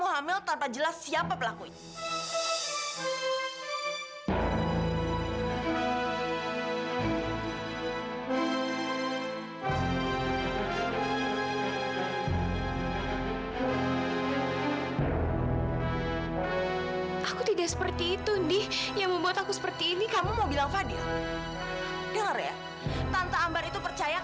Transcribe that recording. sampai jumpa di video selanjutnya